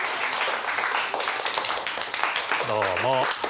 どうも。